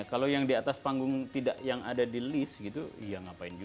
kalau yang di atas panggung yang ada di list gitu ya ngapain juga